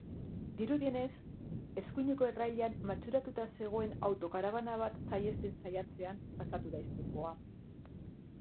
Dirudienez, eskuineko errailean matxuratuta zegoen autokarabana bat saihesten saiatzean pasatu da istripua.